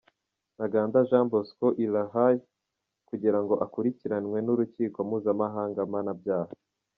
Ntaganda Jean Bosco i La Haye kugira ngo akurikiranwe n’Urukiko mpuzamahanga mpanabyaha.